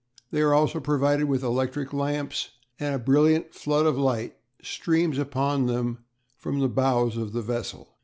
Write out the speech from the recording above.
They are also provided with electric lamps, and a brilliant flood of light streams upon them from the bows of the vessel.